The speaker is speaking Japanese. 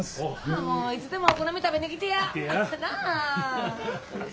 もういつでもお好み食べに来てや。来てや。